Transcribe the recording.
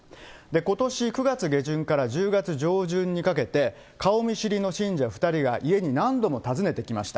ことし９月下旬から１０月上旬にかけて、顔見知りの信者２人が家に何度も訪ねてきました。